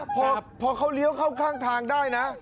พอเขาเลี้ยวเข้าข้างทางได้นะ